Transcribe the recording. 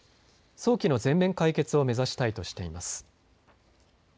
早期の全面解決を目指したいとしています。